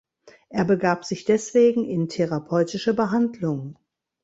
Er begab sich deswegen in therapeutische Behandlung.